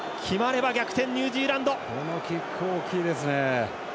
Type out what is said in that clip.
このキック、大きいですね。